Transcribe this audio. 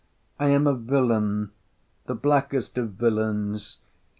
I am a villain! the blackest of villains!